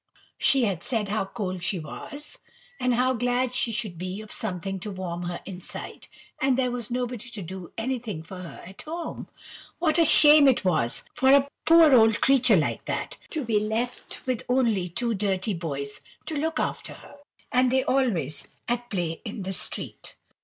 She had said how cold she was, and how glad she should be of something to warm her inside; and there was nobody to do anything for her at home. What a shame it was for a poor old creature like that to be left with only two dirty boys to look after her, and they always at play in the street!